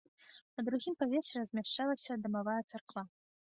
На другім паверсе размяшчалася дамавая царква.